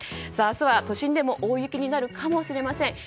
明日は都心でも大雪になるかもしれません。